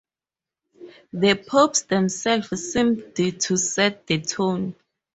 The popes themselves seemed to set the tone.